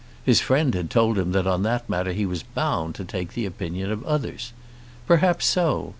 His friend had told him that on that matter he was bound to take the opinion of others. Perhaps so.